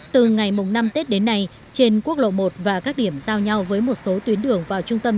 từ ngày năm tết đến nay trên quốc lộ một và các điểm giao nhau với một số tuyến đường vào trung tâm